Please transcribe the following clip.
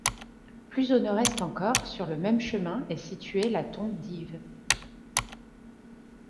Plus au nord-est encore sur le même chemin est située la tombe d'Yve.